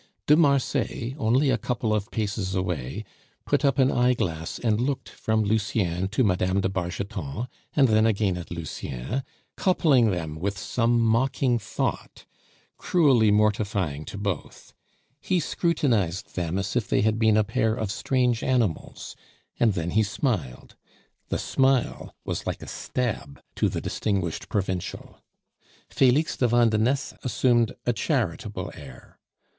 De Marsay, only a couple of paces away, put up an eyeglass and looked from Lucien to Mme. de Bargeton, and then again at Lucien, coupling them with some mocking thought, cruelly mortifying to both. He scrutinized them as if they had been a pair of strange animals, and then he smiled. The smile was like a stab to the distinguished provincial. Felix de Vandenesse assumed a charitable air.